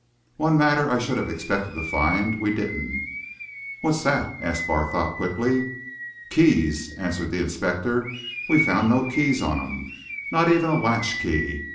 One matter I should have expected to find, we didn't find." "What's that?" asked Barthorpe quickly. "Keys," answered the inspector. "We found no keys on him not even a latch key.